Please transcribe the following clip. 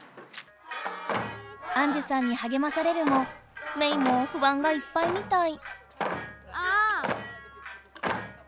杏寿さんにはげまされるもメイも不安がいっぱいみたい。